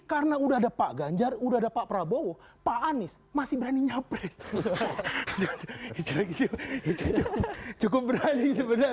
karena udah ada pak ganjar udah dapat prabowo pak anies masih berani nyapres cukup berani